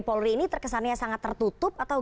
polri ini terkesannya sangat tertutup atau